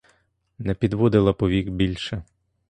Не підводила повік більше.